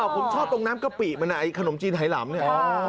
อ๋อผมชอบตรงน้ำกะปิเหมือนไอ้ขนมจีนไหล่หลำนี่